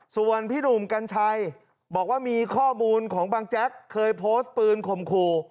ส่วนพี่หนุ่มกัญชัยบอกว่ามีข้อมูลของบางแจ๊กเคยโพสต์ปืนข่มขู่